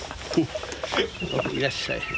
いらっしゃい。